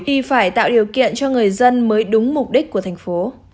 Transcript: thì phải tạo điều kiện cho người dân mới đúng mục đích của thành phố